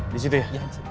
di situ ya